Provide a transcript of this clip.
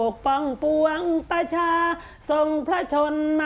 ขอพะห้องเราจงซม